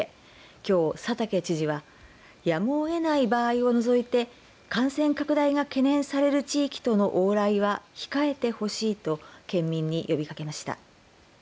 きょう、佐竹知事はやむをえない場合を除いて感染拡大が懸念される地域との往来は控えてほしいと県民に呼びかけました。